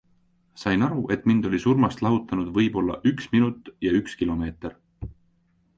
Sain aru, et mind oli surmast lahutanud võib-olla üks minut ja üks kilomeeter.